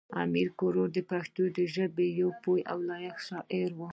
امیر کروړ د پښتو ژبې یو پوه او لایق شاعر و.